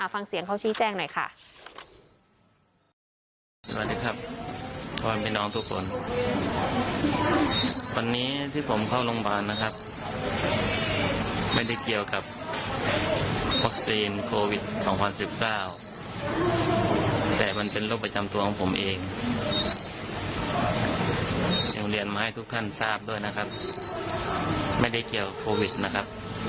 ฟังเสียงเขาชี้แจ้งหน่อยค่ะ